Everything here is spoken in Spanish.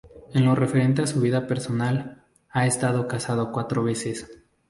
En lo referente a su vida personal, ha estado casado cuatro veces.